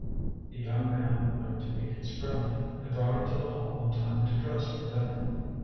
The young man went to meet his friend, and brought him to the Hall in time to dress for dinner.